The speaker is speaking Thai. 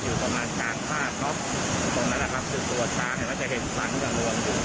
อยู่ประมาณกลางห้าตรงนั้นนะครับคือตัวช้างแล้วจะเห็นฟังจากรวมถึง